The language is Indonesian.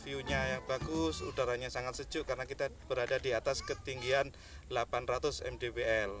view nya yang bagus udaranya sangat sejuk karena kita berada di atas ketinggian delapan ratus mdwl